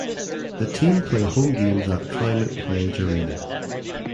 The team play home games at Climate Pledge Arena.